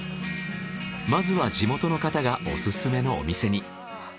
まずは地元の方がオススメのお店に。